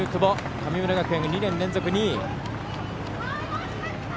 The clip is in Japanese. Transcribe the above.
神村学園、２年連続２位。